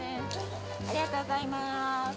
ありがとうございます。